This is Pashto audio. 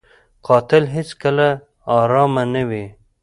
قاتل هېڅکله ارامه نه وي